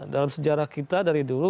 dalam sejarah kita dari dulu